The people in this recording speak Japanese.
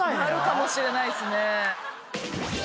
⁉なるかもしれないですね。